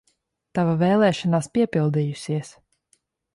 Tava vēlēšanās piepildījusies!